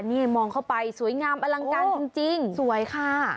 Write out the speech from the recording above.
นี่มองเข้าไปสวยงามอลังการจริงสวยค่ะ